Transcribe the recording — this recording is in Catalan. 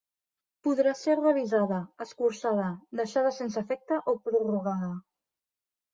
Podrà ser revisada, escurçada, deixada sense efecte o prorrogada.